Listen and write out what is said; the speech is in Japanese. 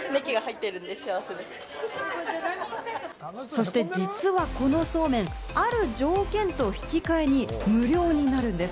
そして実はこのそうめん、ある条件と引き換えに無料になるんです。